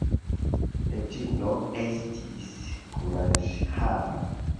Reĝino estis kuraĝhava.